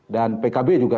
dan pkb juga